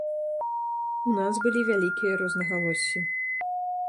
У нас былі вялікія рознагалоссі.